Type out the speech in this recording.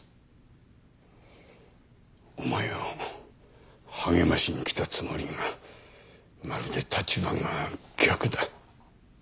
お前を励ましに来たつもりがまるで立場が逆だ。